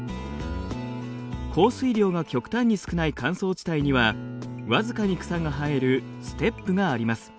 降水量が極端に少ない乾燥地帯には僅かに草が生えるステップがあります。